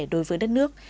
đối với đất nước